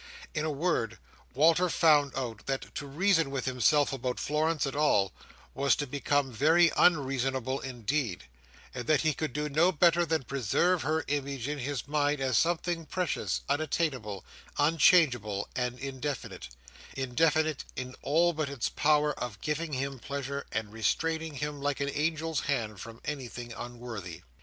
In a word, Walter found out that to reason with himself about Florence at all, was to become very unreasonable indeed; and that he could do no better than preserve her image in his mind as something precious, unattainable, unchangeable, and indefinite—indefinite in all but its power of giving him pleasure, and restraining him like an angel's hand from anything unworthy.